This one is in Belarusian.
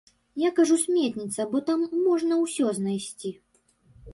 Я кажу сметніца, бо там можна ўсё знайсці.